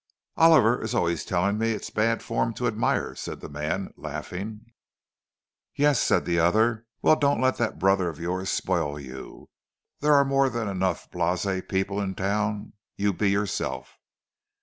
"Oliver is always telling me it's bad form to admire," said the man, laughing. "Yes?" said the other. "Well, don't you let that brother of yours spoil you. There are more than enough of blasé people in town—you be yourself."